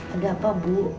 ada apa bu